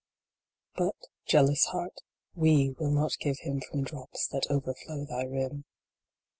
But, jealous heart, we will not give him from drops that overflow thy rim.